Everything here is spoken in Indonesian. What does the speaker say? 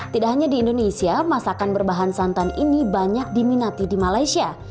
tidak hanya di indonesia masakan berbahan santan ini banyak diminati di malaysia